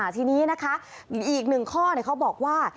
ทีนี้นะคะอีกหนึ่งข้อเขาบอกว่า